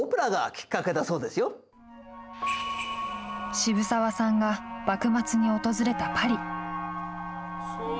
渋沢さんが幕末に訪れたパリ。